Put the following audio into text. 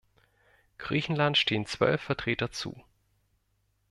Griechenland stehen zwölf Vertreter zu.